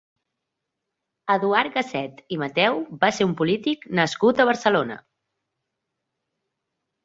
Eduard Gasset i Matheu va ser un polític nascut a Barcelona.